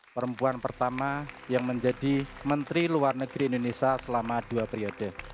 perempuan pertama yang menjadi menteri luar negeri indonesia selama dua periode